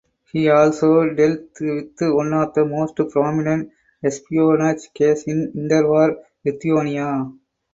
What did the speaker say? He also dealt with one of the most prominent espionage cases in interwar Lithuania.